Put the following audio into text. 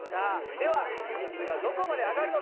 では水がどこまで上がるのか